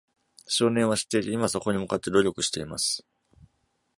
少年は知っていて、今そこに向かって努力しています。